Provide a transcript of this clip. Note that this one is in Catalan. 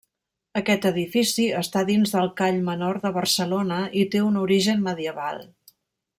Aquest edifici està dins del call menor de Barcelona i té un origen medieval.